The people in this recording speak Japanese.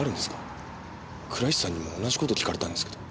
倉石さんにも同じ事を聞かれたんですけど。